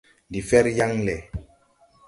Ndi fɛr yaŋ lɛ.